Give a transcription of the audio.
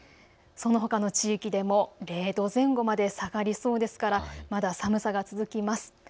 そのほかの地域でも０度前後まで下がりそうですからまだ寒さが続きます。